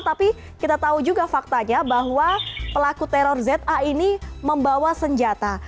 tapi kita tahu juga faktanya bahwa pelaku teror za ini membawa senjata